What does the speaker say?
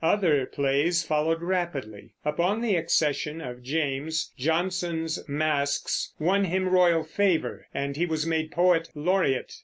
Other plays followed rapidly. Upon the accession of James, Jonson's masques won him royal favor, and he was made poet laureate.